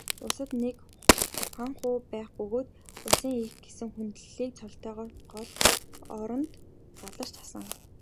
Улсад нэг хуанху байх бөгөөд Улсын эх гэсэн хүндэтгэлийн цолтойгоор гол ордонд заларч асан.